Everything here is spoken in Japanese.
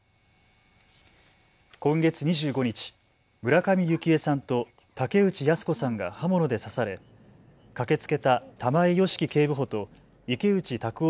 今月２５日、村上幸枝さんと竹内靖子さんが刃物で刺され駆けつけた玉井良樹警部補と池内卓夫